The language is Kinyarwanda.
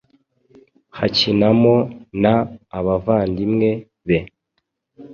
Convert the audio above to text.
hakinamo na abavandimwe be